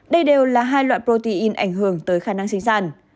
đây đều là hai loại protein ảnh hưởng tới khả năng sinh sản